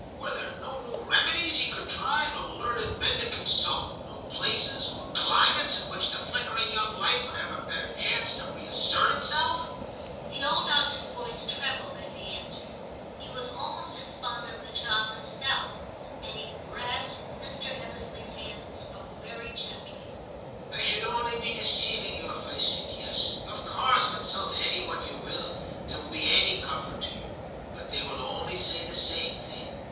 'Were there no new remedies he could try, no learned men to consult, no places or climates in which the flickering young life would have a better chance to reassert itself ?' The old doctor's voice trembled as he answered. He was almost as fond of the child himself, and he grasped Mr. Ebbesley*s hand and spoke very gently. * I should only be deceiving you if I said " yes "; of course consult any one you will, if it will be any comfort to you ; but they will only say the same thing.